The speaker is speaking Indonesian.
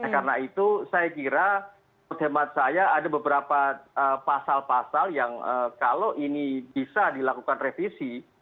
karena itu saya kira persidangan saya ada beberapa pasal pasal yang kalau ini bisa dilakukan revisi